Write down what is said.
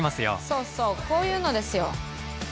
そうそうこういうのですよ。